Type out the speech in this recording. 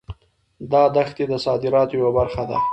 دا دښتې د صادراتو یوه برخه ده.